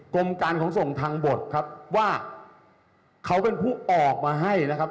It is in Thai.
กรมการขนส่งทางบกครับว่าเขาเป็นผู้ออกมาให้นะครับ